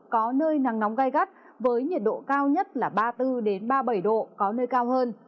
có nơi nắng nóng gai gắt với nhiệt độ cao nhất là ba mươi bốn ba mươi bảy độ có nơi cao hơn